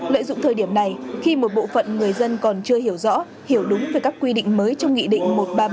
lợi dụng thời điểm này khi một bộ phận người dân còn chưa hiểu rõ hiểu đúng về các quy định mới trong nghị định một trăm ba mươi ba